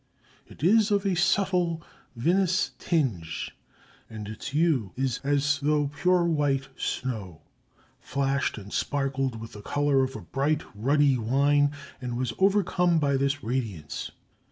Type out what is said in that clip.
It is of a subtle vinous tinge, and its hue is as though pure white snow flashed and sparkled with the color of bright, ruddy wine, and was overcome by this radiance.